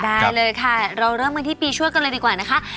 ได้เลยค่ะเราเริ่มกันที่ปีชั่วกันเลยดีกว่านะคะ